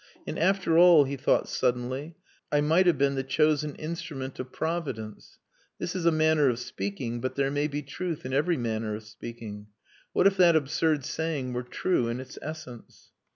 "And, after all," he thought suddenly, "I might have been the chosen instrument of Providence. This is a manner of speaking, but there may be truth in every manner of speaking. What if that absurd saying were true in its essence?"